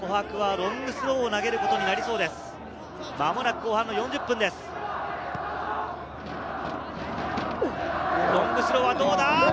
ロングスローはどうだ。